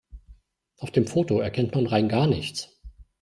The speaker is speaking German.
Auf dem Foto erkennt man rein gar nichts.